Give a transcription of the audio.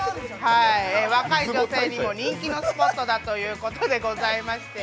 若い女性にも人気のスポットだということでございまして。